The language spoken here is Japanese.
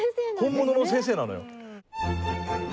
本物の先生なのよ。